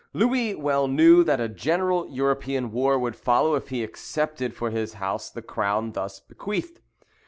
Louis well knew that a general European war would follow if he accepted for his house the crown thus bequeathed.